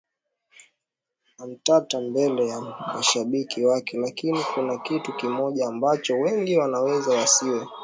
na mtata mbele ya mashabiki wake lakini kuna kitu kimoja ambacho wengi wanaweza wasiwe